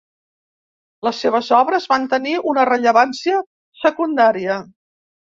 Les seves obres van tenir una rellevància secundària.